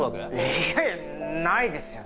いやいやないですよ。